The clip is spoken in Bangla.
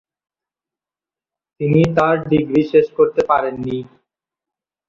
তিনি তার ডিগ্রি শেষ করতে পারেন নি।